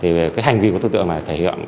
thì hành vi của đối tượng này